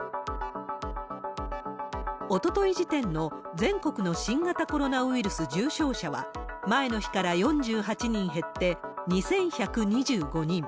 おととい時点の全国の新型コロナウイルス重症者は、前の日から４８人減って２１２５人。